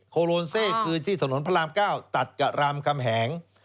โลนเซคือที่ถนนพระราม๙ตัดกับรามคำแหง